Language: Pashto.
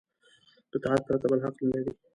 له اطاعت پرته بل حق نه لري.